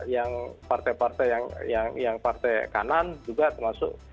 yang partai partai yang partai kanan juga termasuk